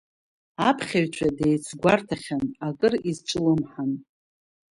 Аԥхьаҩцәа деицгәарҭахьан, акыр изҿлымҳан.